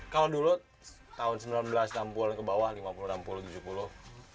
kalau dulu tahun seribu sembilan ratus enam puluh an ke bawah